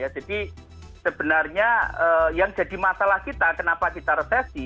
jadi sebenarnya yang jadi masalah kita kenapa kita retesi